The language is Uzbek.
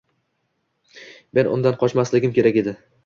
Men undan qochmasligim kerak edi!